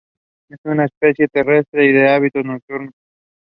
Divisioona.